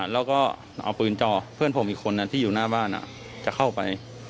แล้วก็เอาปืนจ่อเพื่อนผมอีกคนที่อยู่หน้าบ้านจะเข้าไป